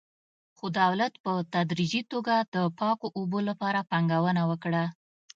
خو دولت په تدریجي توګه د پاکو اوبو لپاره پانګونه وکړه.